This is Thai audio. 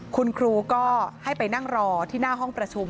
คุณครูก็ให้ไปนั่งรอที่หน้าห้องประชุม